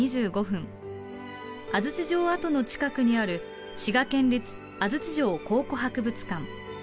安土城跡の近くにある滋賀県立安土城考古博物館。